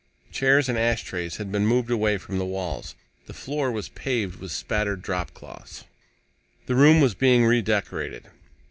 Chairs and ashtrays had been moved away from the walls. The floor was paved with spattered dropcloths. The room was being redecorated.